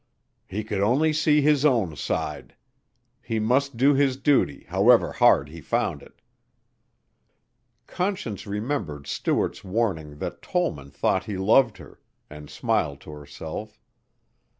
"He could only see his own side. He must do his duty, however hard he found it." Conscience remembered Stuart's warning that Tollman thought he loved her, and smiled to herself.